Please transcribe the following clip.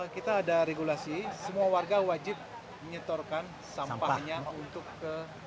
kita ada regulasi semua warga wajib menyetorkan sampahnya untuk ke